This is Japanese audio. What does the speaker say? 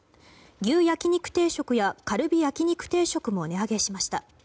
牛焼肉定食やカルビ焼肉定食も値上げしました。